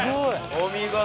お見事。